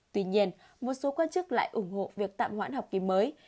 tuy nhiên một số quan chức lại ủng hộ việc tạm hoãn học kỳ mới